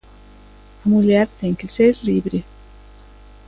A muller ten que ser libre.